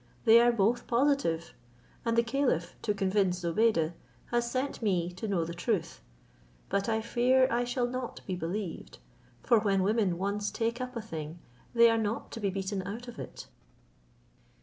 They are both positive; and the caliph, to convince Zobeide, has sent me to know the truth, but I fear I shall not be believed; for when women once take up a thing, they are not to be beaten out of it."